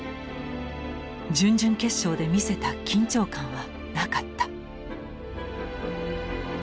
準々決勝で見せた緊張感はなかった。